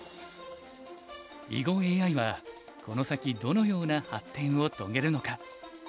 囲碁ＡＩはこの先どのような発展を遂げるのか。